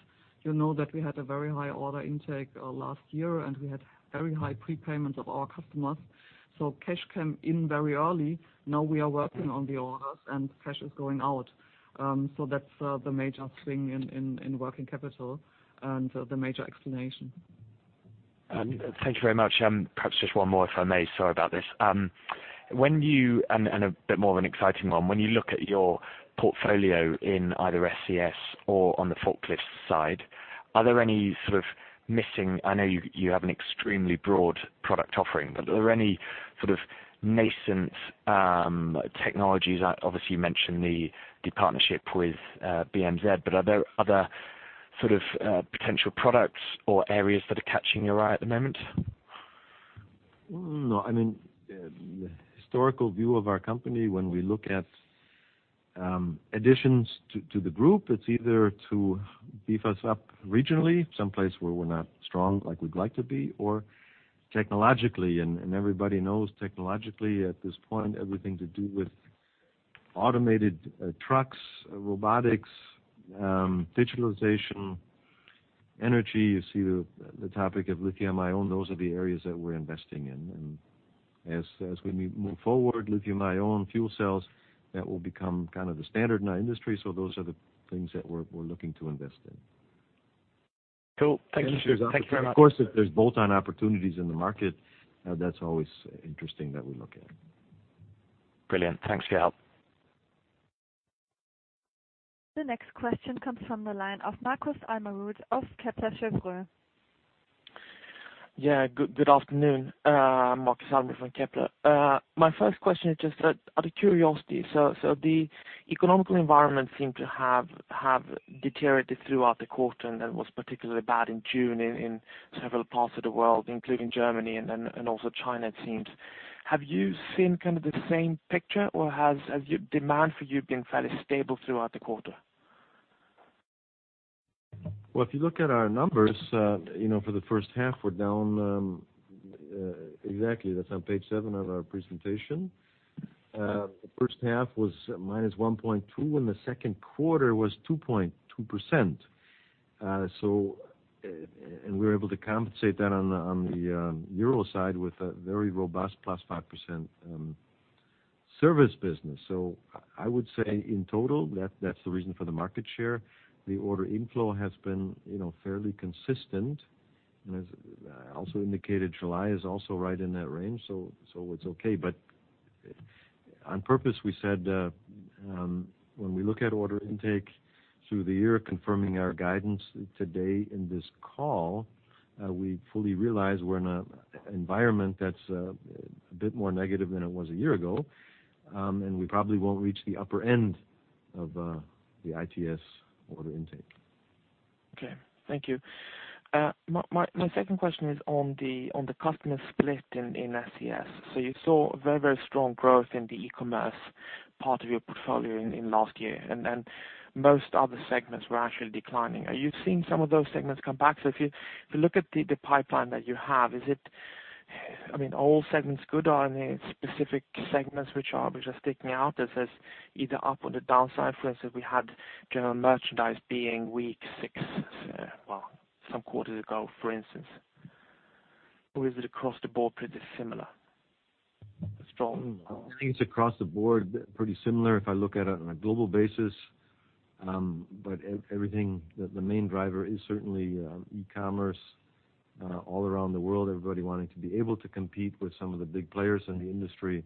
You know that we had a very high order intake last year, and we had very high prepayments of our customers. Cash came in very early. Now we are working on the orders, and cash is going out. That's the major swing in working capital and the major explanation. Thank you very much. Perhaps just one more, if I may. Sorry about this. A bit more of an exciting one. When you look at your portfolio in either SCS or on the forklift side, are there any sort of missing? I know you have an extremely broad product offering, but are there any sort of nascent technologies? Obviously, you mentioned the partnership with BMZ, but are there other sort of potential products or areas that are catching your eye at the moment? No. I mean, the historical view of our company, when we look at additions to the group, it's either to beef us up regionally, someplace where we're not strong like we'd like to be, or technologically. Everybody knows technologically, at this point, everything to do with automated trucks, robotics, digitalization, energy. You see the topic of lithium-ion. Those are the areas that we're investing in. As we move forward, lithium-ion, fuel cells, that will become kind of the standard in our industry. Those are the things that we're looking to invest in. Cool. Thank you. Thank you very much. Of course, if there's bolt-on opportunities in the market, that's always interesting that we look at. Brilliant. Thanks for your help. The next question comes from the line of Markus Almerud of Kepler Cheuvreux. Yeah, good afternoon. Markus Almerud from Kepler. My first question is just out of curiosity. The economical environment seemed to have deteriorated throughout the quarter and was particularly bad in June in several parts of the world, including Germany and also China, it seems. Have you seen kind of the same picture, or has demand for you been fairly stable throughout the quarter? If you look at our numbers for the first half, we're down exactly. That's on page seven of our presentation. The first half was -1.2%, and the second quarter was 2.2%. We were able to compensate that on the euro side with a very robust +5% service business. I would say, in total, that's the reason for the market share. The order inflow has been fairly consistent. As I also indicated, July is also right in that range, so it's okay. On purpose, we said when we look at order intake through the year, confirming our guidance today in this call, we fully realize we're in an environment that's a bit more negative than it was a year ago, and we probably won't reach the upper end of the IT&S order intake. Okay. Thank you. My second question is on the customer split in SCS. You saw very, very strong growth in the e-commerce part of your portfolio in last year, and most other segments were actually declining. Are you seeing some of those segments come back? If you look at the pipeline that you have, is it, I mean, are all segments good, or are there specific segments which are sticking out as either up on the downside? For instance, we had general merchandise being weak six, well, some quarters ago, for instance. Or is it across the board pretty similar? I think it's across the board pretty similar if I look at it on a global basis. The main driver is certainly e-commerce all around the world. Everybody wanting to be able to compete with some of the big players in the industry,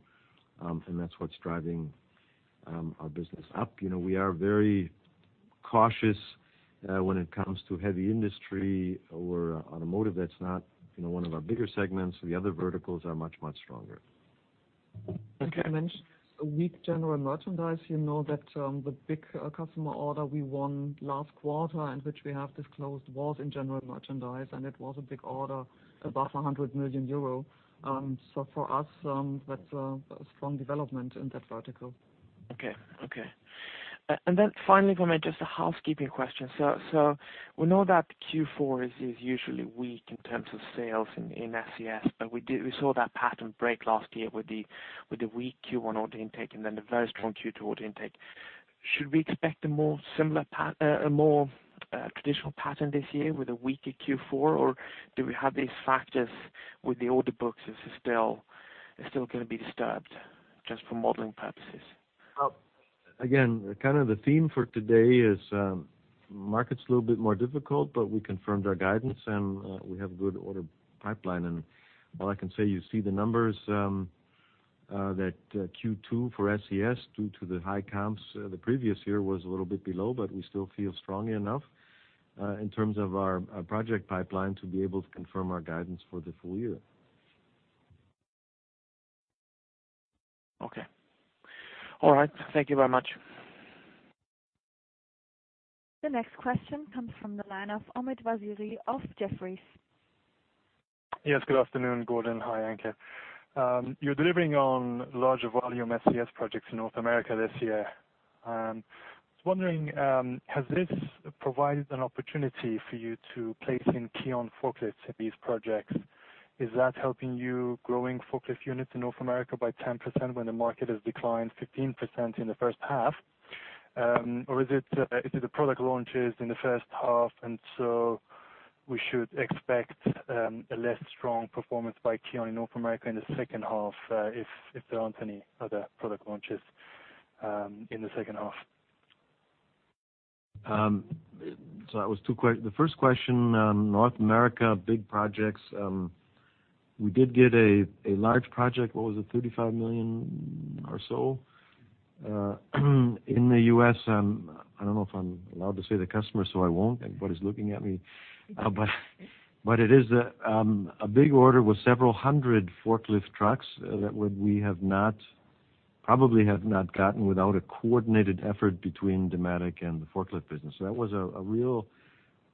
and that's what's driving our business up. We are very cautious when it comes to heavy industry or automotive. That's not one of our bigger segments. The other verticals are much, much stronger. Okay. Mentioned weak general merchandise. You know that the big customer order we won last quarter and which we have disclosed was in general merchandise, and it was a big order above 100 million euro. For us, that's a strong development in that vertical. Okay. Okay. Finally, if I may, just a housekeeping question. We know that Q4 is usually weak in terms of sales in SCS, but we saw that pattern break last year with the weak Q1 order intake and then the very strong Q2 order intake. Should we expect a more traditional pattern this year with a weaker Q4, or do we have these factors with the order books? Is it still going to be disturbed just for modeling purposes? Again, kind of the theme for today is market's a little bit more difficult, but we confirmed our guidance, and we have a good order pipeline. All I can say, you see the numbers that Q2 for SCS, due to the high comps the previous year, was a little bit below, but we still feel strong enough in terms of our project pipeline to be able to confirm our guidance for the full year. Okay. All right. Thank you very much. The next question comes from the line of Ahmed Waziri of Jefferies. Yes. Good afternoon, Gordon. Hi, Anke. You're delivering on large volume SCS projects in North America this year. I was wondering, has this provided an opportunity for you to place in KION forklifts in these projects? Is that helping you growing forklift units in North America by 10% when the market has declined 15% in the first half? Or is it the product launches in the first half, and so we should expect a less strong performance by KION in North America in the second half if there aren't any other product launches in the second half? That was two questions. The first question, North America, big projects. We did get a large project. What was it? $35 million or so in the U.S.. I do not know if I am allowed to say the customer, so I will not. Everybody is looking at me. It is a big order with several hundred forklift trucks that we probably have not gotten without a coordinated effort between Dematic and the forklift business. That was a real,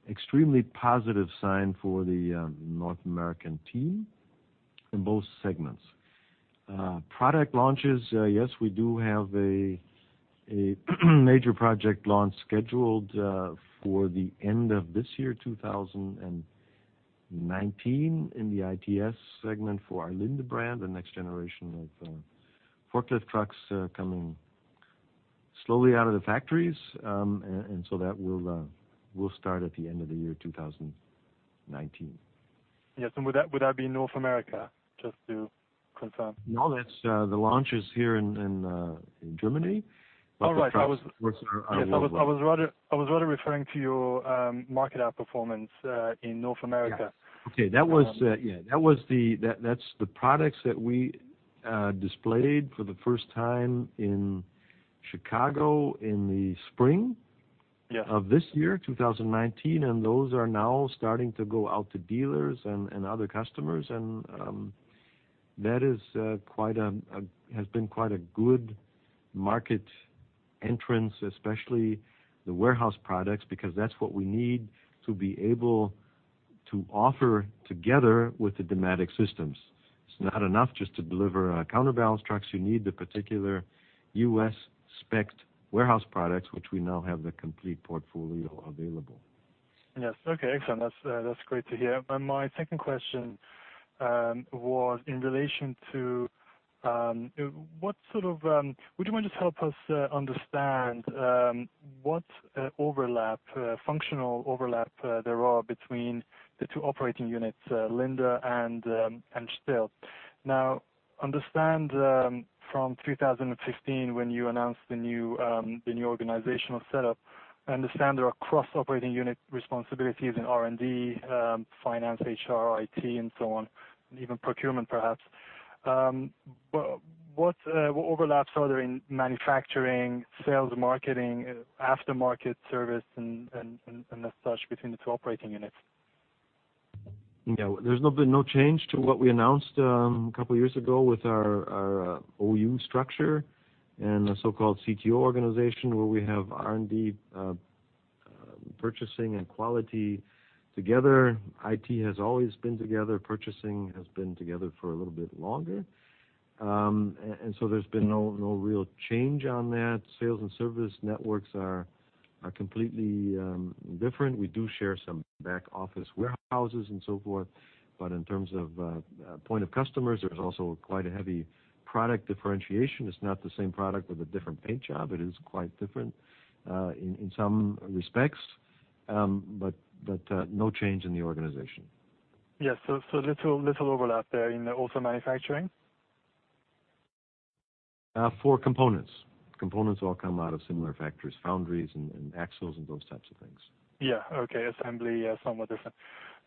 extremely positive sign for the North American team in both segments. Product launches, yes, we do have a major project launch scheduled for the end of this year, 2019, in the IT&S segment for our Linde brand, a next generation of forklift trucks coming slowly out of the factories, and that will start at the end of the year 2019. Yes. Would that be North America? Just to confirm. No, the launch is here in Germany. All right. Yes. I was rather referring to your market outperformance in North America. Okay. Yeah. That's the products that we displayed for the first time in Chicago in the spring of this year, 2019, and those are now starting to go out to dealers and other customers. That has been quite a good market entrance, especially the warehouse products, because that's what we need to be able to offer together with the Dematic systems. It's not enough just to deliver counterbalance trucks. You need the particular U.S.-specced warehouse products, which we now have the complete portfolio available. Yes. Okay. Excellent. That's great to hear. My second question was in relation to what sort of, would you mind just help us understand what functional overlap there are between the two operating units, Linde and STILL? Now, I understand from 2015 when you announced the new organizational setup, I understand there are cross-operating unit responsibilities in R&D, finance, HR, IT, and so on, and even procurement, perhaps. What overlaps are there in manufacturing, sales, marketing, aftermarket service, and as such between the two operating units? Yeah. There's been no change to what we announced a couple of years ago with our OU structure and the so-called CTO organization, where we have R&D, purchasing, and quality together. IT has always been together. Purchasing has been together for a little bit longer. There's been no real change on that. Sales and service networks are completely different. We do share some back office warehouses and so forth. In terms of point of customers, there's also quite a heavy product differentiation. It's not the same product with a different paint job. It is quite different in some respects, but no change in the organization. Yes. So little overlap there in the auto manufacturing? For components. Components all come out of similar factories: foundries and axles and those types of things. Yeah. Okay. Assembly, somewhat different.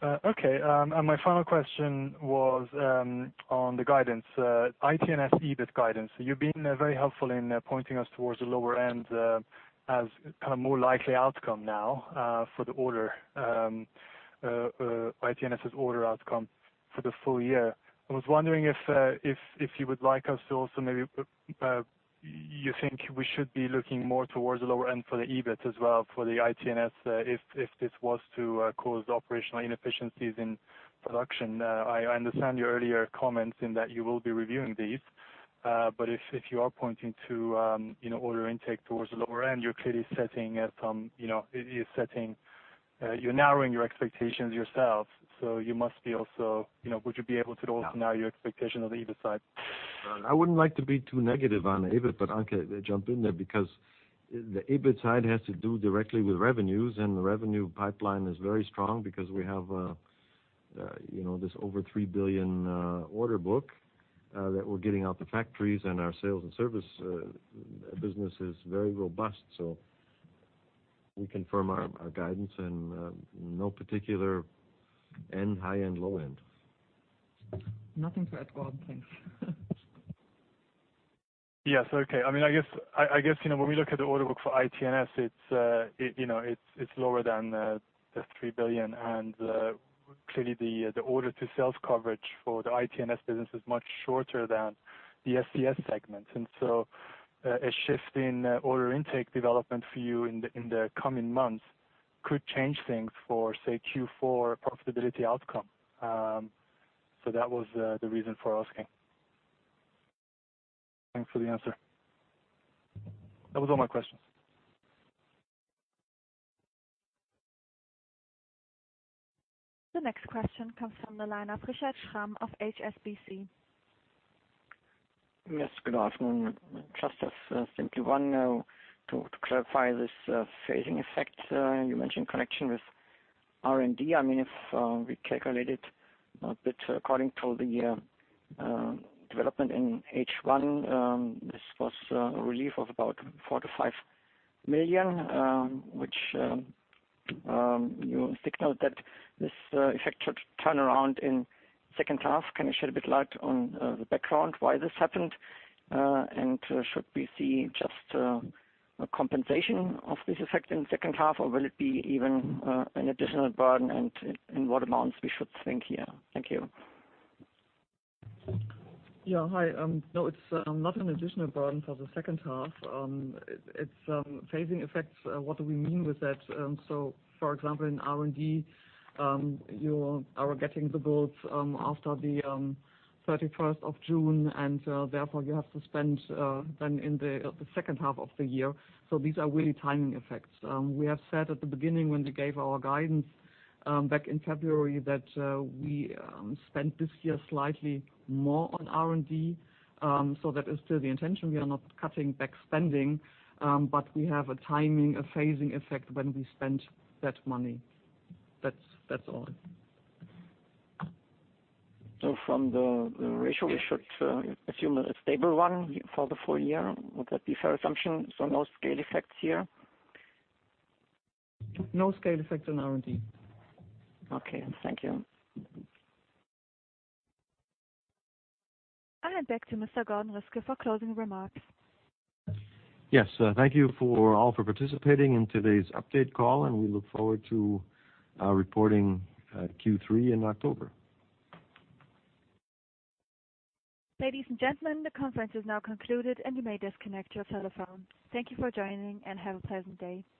Okay. My final question was on the guidance, IT&S EBIT guidance. You've been very helpful in pointing us towards the lower end as kind of more likely outcome now for the order, IT&S's order outcome for the full year. I was wondering if you would like us to also maybe you think we should be looking more towards the lower end for the EBIT as well for the IT&S if this was to cause operational inefficiencies in production. I understand your earlier comments in that you will be reviewing these. If you are pointing to order intake towards the lower end, you're clearly setting some, you're narrowing your expectations yourself. You must be also, would you be able to also narrow your expectations on the EBIT side? I wouldn't like to be too negative on the EBIT, but Anke, jump in there because the EBIT side has to do directly with revenues, and the revenue pipeline is very strong because we have this over 3 billion order book that we're getting out the factories, and our sales and service business is very robust. We confirm our guidance and no particular end, high end, low end. Nothing to add, Gordon. Thanks. Yes. Okay. I mean, I guess when we look at the order book for IT&S, it is lower than the 3 billion. Clearly, the order to sales coverage for the IT&S business is much shorter than the SCS segment. A shift in order intake development for you in the coming months could change things for, say, Q4 profitability outcome. That was the reason for asking. Thanks for the answer. That was all my questions. The next question comes from the line of Richard Schramm of HSBC. Yes. Good afternoon. Just a simple one to clarify this phasing effect. You mentioned connection with R&D. I mean, if we calculate it a bit according to the development in H1, this was a relief of about 4 million-5 million, which you signaled that this effect should turn around in second half. Can you shed a bit light on the background why this happened? Should we see just a compensation of this effect in second half, or will it be even an additional burden, and in what amounts we should think here? Thank you. Yeah. Hi. No, it's not an additional burden for the second half. It's phasing effects. What do we mean with that? For example, in R&D, you are getting the boards after the 31st of June, and therefore, you have to spend then in the second half of the year. These are really timing effects. We have said at the beginning when we gave our guidance back in February that we spent this year slightly more on R&D. That is still the intention. We are not cutting back spending, but we have a timing, a phasing effect when we spend that money. That's all. From the ratio, we should assume a stable one for the full year. Would that be a fair assumption? No scale effects here? No scale effects on R&D. Okay. Thank you. I'll hand back to Mr. Gordon Riske for closing remarks. Yes. Thank you all for participating in today's update call, and we look forward to reporting Q3 in October. Ladies and gentlemen, the conference is now concluded, and you may disconnect your telephone. Thank you for joining, and have a pleasant day. Good.